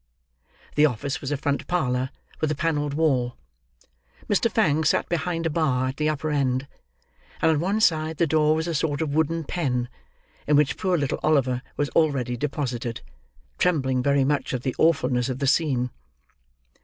The office was a front parlour, with a panelled wall. Mr. Fang sat behind a bar, at the upper end; and on one side the door was a sort of wooden pen in which poor little Oliver was already deposited; trembling very much at the awfulness of the scene.